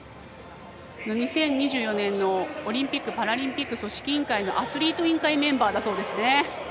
２０２４年のオリンピック・パラリンピックの組織委員会のアスリートメンバーだそうです。